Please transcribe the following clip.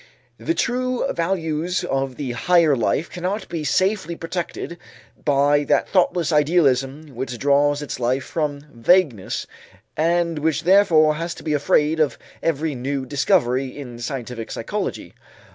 The true values of the higher life cannot be safely protected by that thoughtless idealism which draws its life from vagueness and which therefore has to be afraid of every new discovery in scientific psychology.